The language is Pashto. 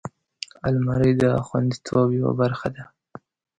الماري د خوندیتوب یوه برخه ده